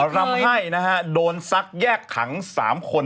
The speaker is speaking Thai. ร่ำให้โดนซักแยกขัง๓คน